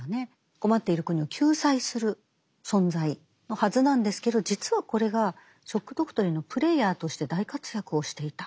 困っている国を救済する存在のはずなんですけど実はこれが「ショック・ドクトリン」のプレイヤーとして大活躍をしていた。